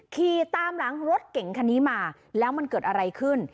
ขี่ตามหลังรถเก่งคันนี้มาแล้วมันเกิดอะไรขึ้น